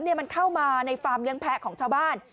เหลืมมันเข้ามาในฟาร์มเครื่องแผะของชาวบ้าน